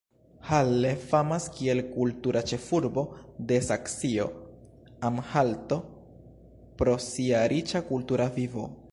Halle famas kiel "kultura ĉefurbo" de Saksio-Anhalto pro sia riĉa kultura vivo.